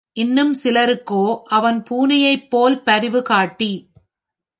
இன்னும் சிலருக்கோ அவன் பூனையைப் போல் பரிவுகாட்டி.